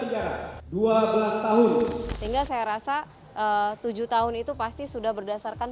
penjara dua belas tahun sehingga saya rasa tujuh tahun itu pasti sudah berdasarkan